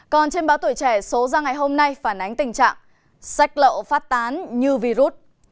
còn trên báo tuổi trẻ số ra ngày hôm nay phản ánh tình trạng sách lậu phát tán như virus